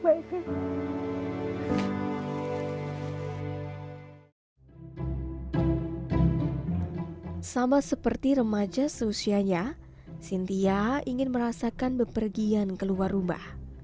sama seperti remaja seusianya cynthia ingin merasakan bepergian keluar rumah